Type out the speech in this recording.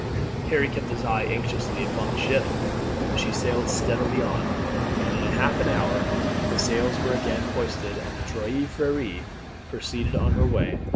Harry kept his eye anxiously upon the ship, but she sailed steadily on; and in half an hour the sails were again hoisted and the Trois Freres proceeded on her way.